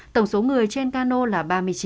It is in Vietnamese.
tổng số người trên cano là ba mươi chín